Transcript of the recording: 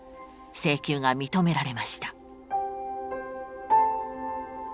請求が認められました。